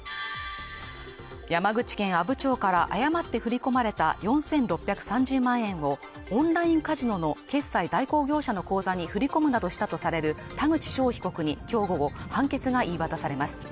山口県阿武町から誤って振り込まれた４６３０万円を、オンラインカジノの決済代行業者の口座に振り込むなどしたとされる田口翔被告に、今日午後判決が言い渡されます。